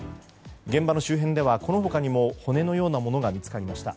現場の周辺では、この他にも骨のようなものが見つかりました。